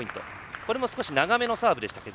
これも少し長めのサーブでしたが。